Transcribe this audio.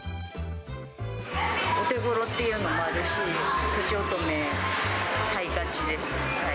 お手ごろというのもあるし、とちおとめ、買いがちです。